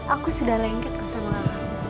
aku sudah lengket sama anak